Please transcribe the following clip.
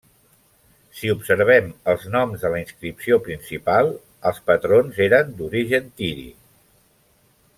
Si observem els noms de la inscripció principal, els patrons eren d'origen tiri.